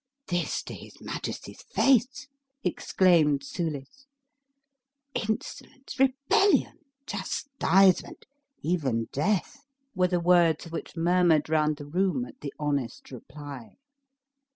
"This to his majesty's face!" exclaimed Soulis. "Insolence rebellion chastisement even death!" were the words which murmured round the room at the honest reply.